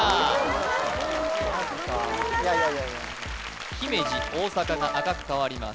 いやいや姫路大阪が赤く変わります